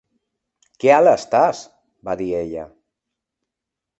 "Que alt estàs!", va dir ella.